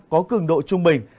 có cường độ trung bình